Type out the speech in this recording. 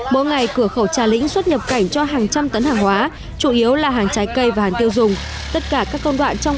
mỗi ngày cửa khẩu trà lĩnh xuất nhập cảnh cho hàng trăm tấn hàng hóa chủ yếu là hàng trái cây và hàng tiêu dùng